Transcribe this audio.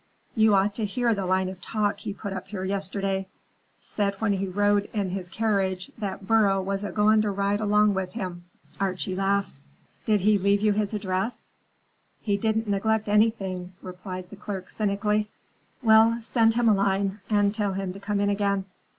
You ought to hear the line of talk he put up here yesterday; said when he rode in his carriage, that burro was a going to ride along with him." Archie laughed. "Did he leave you his address?" "He didn't neglect anything," replied the clerk cynically. "Well, send him a line and tell him to come in again.